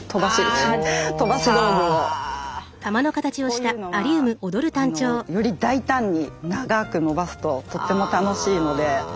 こういうのはより大胆に長く伸ばすととっても楽しいので。